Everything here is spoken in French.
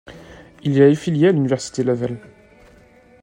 Il est affilié à l'Université Laval.